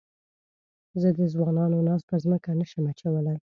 زه د ځوانانو ناز پر مځکه نه شم اچولای.